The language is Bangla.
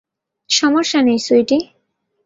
সমস্যা নেই, সুইটি।